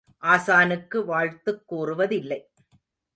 ஆசானுக்கு வாழ்த்துக் கூறுவதில்லை.